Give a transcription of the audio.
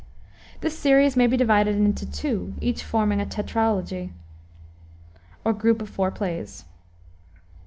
This series may be divided into two, each forming a tetralogy, or group of four plays.